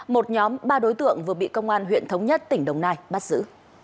một nhóm ba đối tượng vừa bị công an huyện thống nhất tỉnh đồng nai bắt giữ